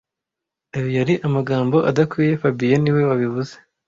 Ayo yari amagambo adakwiye fabien niwe wabivuze